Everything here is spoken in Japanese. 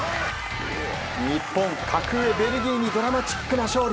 日本、格上ベルギーにドラマチックな勝利。